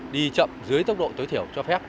đi chậm dưới tốc độ tối thiểu cho phép